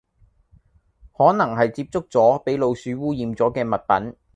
可能係接觸左俾老鼠污染左既物品